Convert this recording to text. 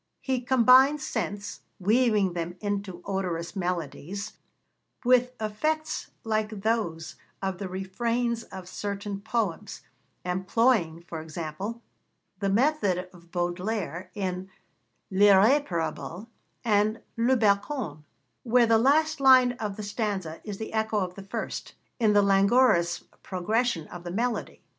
He combines scents, weaving them into odorous melodies, with effects like those of the refrains of certain poems, employing, for example, the method of Baudelaire in L'Irréparable and Le Balcon, where the last line of the stanza is the echo of the first, in the languorous progression of the melody.